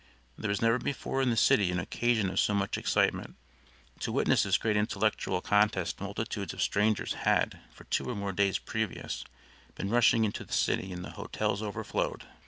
There was never before in the city an occasion of so much excitement. To witness this great intellectual contest multitudes of strangers had, for two or more days previous, been rushing into the city, and the hotels overflowed.